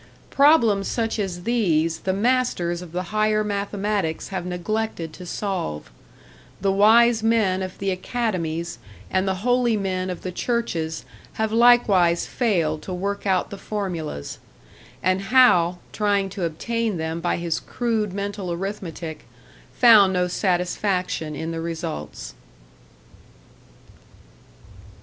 Problems such as these the masters of the higher mathematics have neglected to solve; the wise men of the academies and the holy men of the churches have likewise failed to work out the formulas; and Hal, trying to obtain them by his crude mental arithmetic, found no satisfaction in the results.